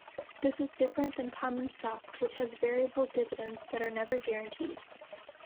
This is different than common stock, which has variable dividends that are never guaranteed.